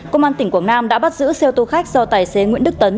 công an tỉnh quảng nam đã bắt giữ xe ô tô khách do tài xế nguyễn đức tấn